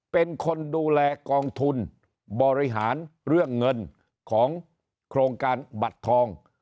เป็นคนดูแลกองทุนบริหารเรื่องเงินของโครงการบัตรทอง